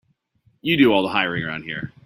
You do all the hiring around here.